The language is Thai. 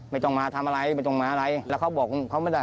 ไม่ต้องมาทำอะไรไม่ต้องมาอะไรแล้วเขาบอกเขาไม่ได้